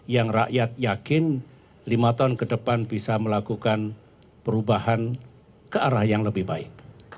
yang rakyat yakin lima tahun ke depan bisa melakukan perubahan ke arah yang lebih baik